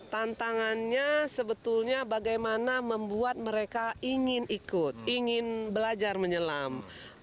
tantangannya sebetulnya bagaimana membuat mereka ingin ikut ingin belajar menyelam